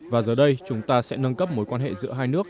và giờ đây chúng ta sẽ nâng cấp mối quan hệ giữa hai nước